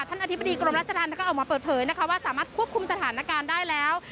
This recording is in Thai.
อธิบดีกรมราชธรรมก็ออกมาเปิดเผยนะคะว่าสามารถควบคุมสถานการณ์ได้แล้ว